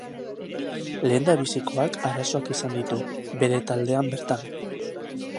Lehendabizikoak arazoak izango ditu bere taldean bertan.